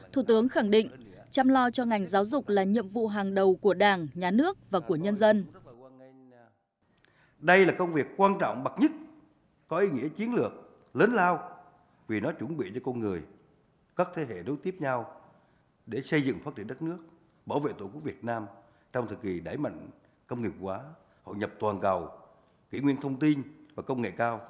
thủ tướng khẳng định chăm lo cho ngành giáo dục là nhiệm vụ hàng đầu của đảng nhà nước và của nhân dân